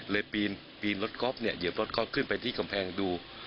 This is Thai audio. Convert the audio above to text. ปีนรถก๊อฟเนี่ยเหยียบรถก๊อฟขึ้นไปที่กำแพงดู